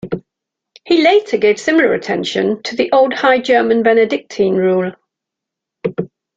He later gave similar attention to the Old High German Benedictine Rule.